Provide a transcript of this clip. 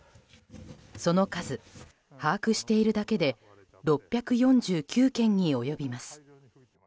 その数、把握しているだけで６４９件に及びます。